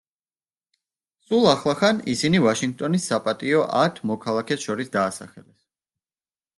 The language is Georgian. სულ ახლახან, ისინი ვაშინგტონის საპატიო ათ მოქალაქეს შორის დაასახელეს.